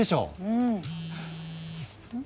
うん。